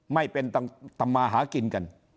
ไม่เป็นทำมาหากินกัน